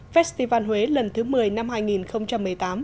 festival huế lần thứ một mươi năm hai nghìn một mươi tám